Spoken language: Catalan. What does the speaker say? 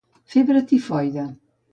Febre Tifoide.